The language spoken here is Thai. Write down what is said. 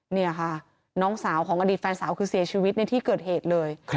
นี่ค่ะน้องสาวของอดีตแฟนสาวคือเสียชีวิตในที่เกิดเหตุเลย